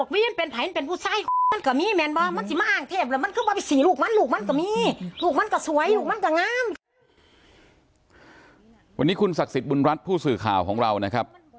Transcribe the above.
วันนี้คุณศักดิ์สิทธิ์บุญรัฐผู้สื่อข่าวของเรานะครับ